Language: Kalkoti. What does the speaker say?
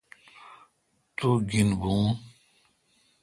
تو گین بھو۔